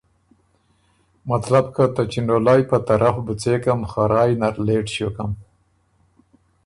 ”مطلب که ته چنډولئ په طرف بُو څېکم خه رائ نر لېټ ݭیوکم،